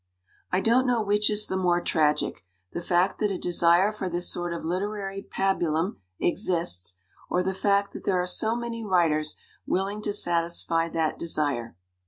"I don't know which is the more tragic, the fact that a desire for this sort of literary pabulum exists, or the fact that there are so many writers willing to satisfy that desire.